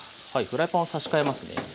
フライパンを差し替えますね。